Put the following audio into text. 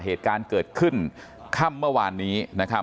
เหตุการณ์เกิดขึ้นค่ำเมื่อวานนี้นะครับ